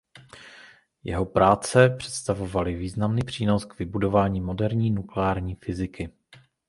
Jeho práce představovaly významný přínos k vybudování moderní nukleární fyziky.